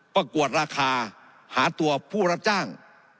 ประกวดราคาหาตัวผู้รับจ้าง